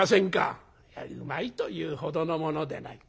「うまいというほどのものでない。